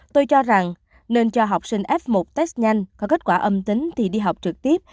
tôi cho rằng nên cho học sinh f một test nhanh có kết quả âm tính thì đi học trực tiếp